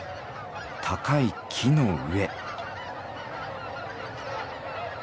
高い木の上。